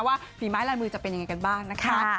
ฝีไม้ลายมือจะเป็นยังไงกันบ้างนะคะ